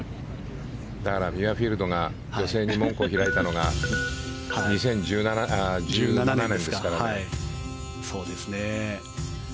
だからミュアフィールドが女性に門戸を開いたのが２０１７年ですからね。